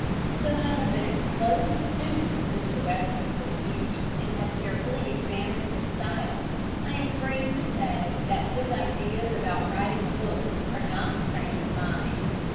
Though I have been a close student of Mr. Webster for years and have carefully examined his style, I am free to say that his ideas about writing a book are not the same as mine.